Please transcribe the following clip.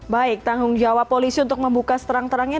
baik tanggung jawab polisi untuk membuka seterang terangnya